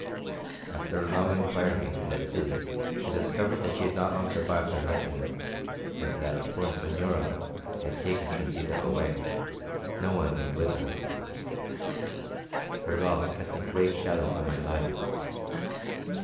After long inquiry in that city I discovered that she had not long survived her husband, and that a foreign señora, had taken Transita away, no one knew whither. Her loss cast a great shadow on my life.